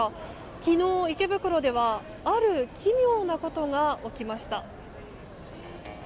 昨日、池袋ではある奇妙なことが起きました。